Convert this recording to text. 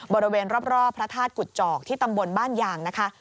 บริเวณรอบพระธาตุกุจอกที่ตำบลบ้านยางนะคะ